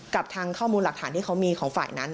กับทางข้อมูลหลักฐานที่เขามีของฝ่ายนั้น